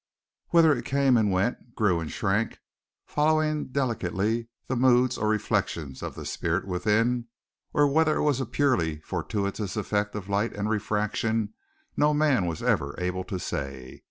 Whether it came and went, grew and shrank, following delicately the moods or reflections of the spirit within, or whether it was a purely fortuitous effect of light and refraction, no man was ever able to say.